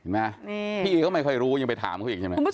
แต่ปกติก็เห็นเขาว่าไม่เห็นเคยมีปัญหานะแถวนี้เราก็ไม่เคยรู้อ่ะ